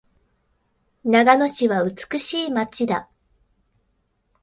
長野市は美しい街だ。